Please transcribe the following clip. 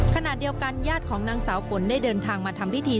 ขณะเดียวกันญาติของนางสาวฝนได้เดินทางมาทำพิธี